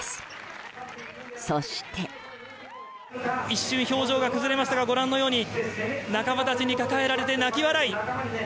一瞬表情が崩れましたがご覧のように仲間たちに抱えられて泣き笑い。